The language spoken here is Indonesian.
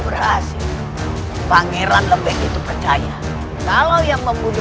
barangkali raden bisa memisahkan mereka